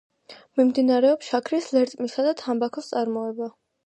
მიმდინარეობს შაქრის ლერწმისა და თამბაქოს წარმოება.